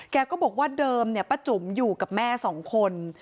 แกก็บอกว่าเดิมเนี่ยป้าจุ๋มอยู่กับแม่สองคน